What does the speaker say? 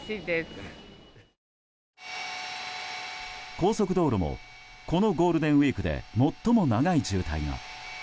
高速道路もこのゴールデンウィークで最も長い渋滞が。